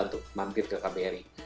untuk mampir ke kbri